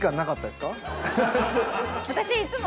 私いつも。